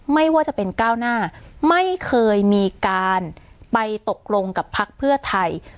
ไม่ว่าจะเป็นก้าวหน้าไม่เคยมีการไปตกลงกับพักเพื่อไทย